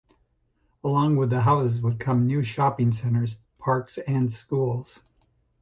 Along with the houses would come new shopping centers, parks, and schools.